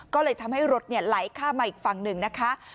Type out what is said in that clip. ก็เลยทำให้รถไหลข้ามมาอีกฝั่งหนึ่งนะคะ